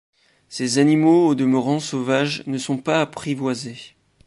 Ces animaux au demeurant sauvages ne sont pas apprivoisés.